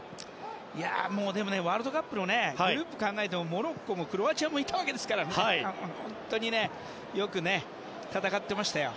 でも、ワールドカップのグループを考えるとモロッコもクロアチアもいたわけですから本当によく戦ってましたよ。